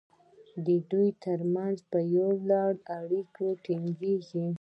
د دوی ترمنځ په دې لړ کې اړیکې ټینګیږي.